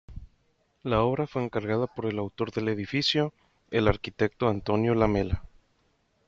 La obra fue encargada por el autor del edificio, el arquitecto Antonio Lamela.